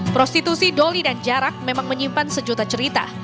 prostitusi doli dan jarak memang menyimpan sejuta cerita